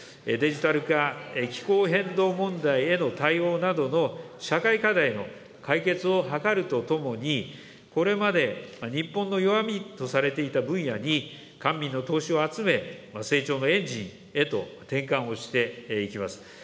デジタル化、気候変動問題への対応などの社会課題の解決を図るとともに、これまで日本の弱みとされていた分野に、官民の投資を集め、成長のエンジンへと転換をしていきます。